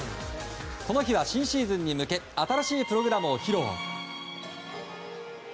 この日は新シーズンに向け新しいプログラムを披露。